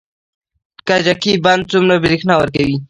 کجکي بند څومره بریښنا ورکوي؟